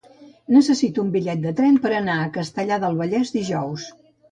Necessito un bitllet de tren per anar a Castellar del Vallès dijous.